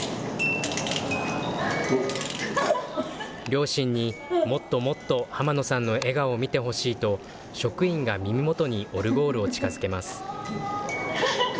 両親に、もっともっと濱野さんの笑顔を見てほしいと、職員が耳元にオルゴールを近づけます。